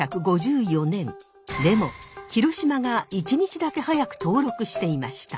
でも広島が１日だけ早く登録していました。